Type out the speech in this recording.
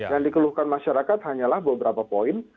yang dikeluhkan masyarakat hanyalah beberapa poin